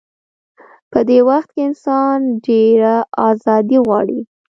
په دې وخت کې انسان ډېره ازادي غواړي.